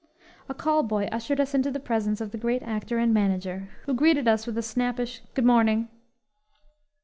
A call boy ushered us into the presence of the great actor and manager, who greeted us with a snappish "Good morning!"